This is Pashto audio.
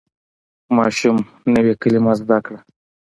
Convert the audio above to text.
ماشوم نوې کلمه زده کړه